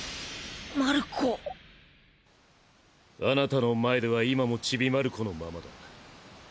あなたの前では今もチビマルコのままだ。